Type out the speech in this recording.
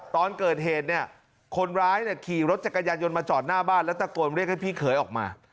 ตอนเกิดเหตุเนี่ยคนร้ายขี่รถจักรยานยนต์มาจอดหน้าบ้านแล้วตะโกนเรียกให้พี่เขยออกมา